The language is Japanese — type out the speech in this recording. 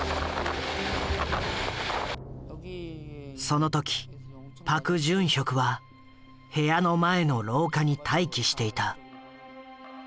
その時パク・ジュンヒョクは部屋の前の廊下に待機していた。